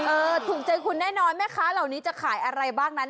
ถูกใจคุณแน่นอนแม่ค้าเหล่านี้จะขายอะไรบ้างนั้น